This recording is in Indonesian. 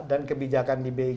dan kebijakan di beg memang kalau